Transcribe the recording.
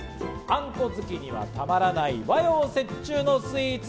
あんこ好きにはたまらない、和洋折衷のスイーツ。